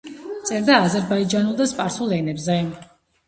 წერდა აზერბაიჯანულ და სპარსულ ენებზე.